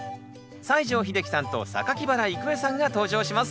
西城秀樹さんと原郁恵さんが登場します